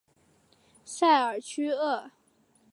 塞尔屈厄。